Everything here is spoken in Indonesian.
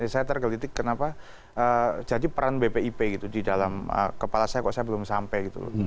saya tergelitik kenapa jadi peran bpip gitu di dalam kepala saya kok saya belum sampai gitu loh